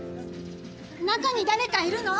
中に誰かいるの？